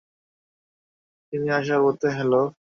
তিনি আসার পথে হ্যাঁলো!